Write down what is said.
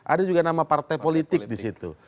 ada juga nama partai politik disitu